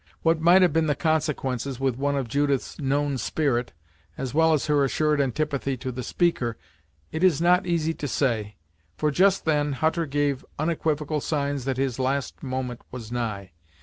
What might have been the consequences with one of Judith's known spirit, as well as her assured antipathy to the speaker, it is not easy to say, for, just then, Hutter gave unequivocal signs that his last moment was nigh.